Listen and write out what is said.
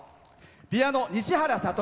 ピアノ、西原悟。